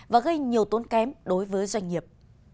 và gây nhiều tốn kém đối với doanh nghiệp